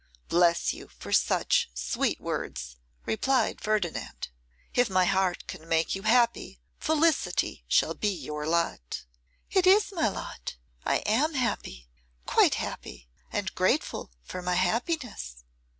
'Bless you, for such sweet words,' replied Ferdinand. 'If my heart can make you happy, felicity shall be your lot.' 'It is my lot. I am happy, quite happy, and grateful for my happiness.